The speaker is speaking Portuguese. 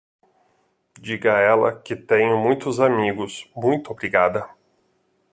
Diga a ela que tenho muitos amigos, muito obrigada.